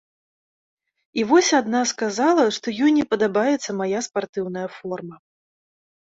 І вось адна сказала, што ёй не падабаецца мая спартыўная форма.